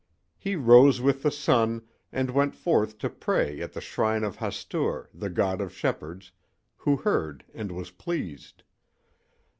He rose with the sun and went forth to pray at the shrine of Hastur, the god of shepherds, who heard and was pleased.